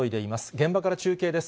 現場から中継です。